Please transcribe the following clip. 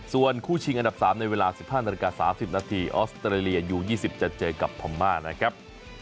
ส่วนคู่ชิงอันดับ๓ในเวลา๑๕นาฬิกา๓๐นาทีออสเตรเลียอยู่๒๐จะเจอกับพม่านะครับ